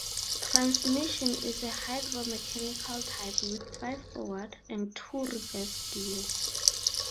Transmission is a hydromechanical type with five forward and two reverse gears.